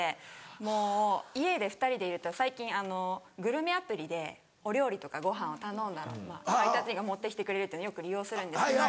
もう家で２人でいると最近グルメアプリでお料理とかご飯を頼んだら配達員が持ってきてくれるってのよく利用するんですけど。